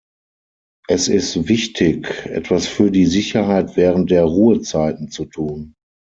Es ist wichtig, etwas für die Sicherheit während der Ruhezeiten zu tun.